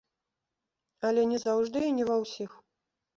Але не заўжды і не ва ўсіх.